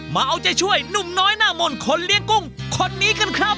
มาเอาใจช่วยหนุ่มน้อยหน้ามนต์คนเลี้ยงกุ้งคนนี้กันครับ